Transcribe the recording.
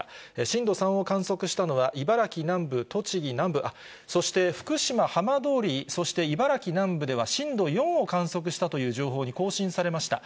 震度３を観測したのは、茨城南部、栃木南部、そして福島浜通り、そして茨城南部では震度４を観測したという情報に更新されました。